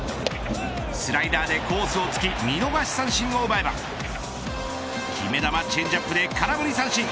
スライダーでコースを突き見逃し三振を奪えば決め球チェンジアップで空振り三振。